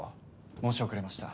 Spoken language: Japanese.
申し遅れました。